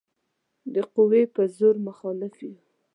د قوې په زور مخالف یو.